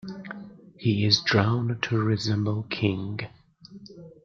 He is drawn to resemble King.